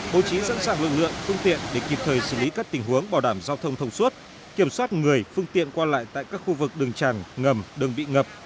bố trí sẵn sàng lực lượng phương tiện để kịp thời xử lý các tình huống bảo đảm giao thông thông suốt kiểm soát người phương tiện qua lại tại các khu vực đường tràn ngầm đường bị ngập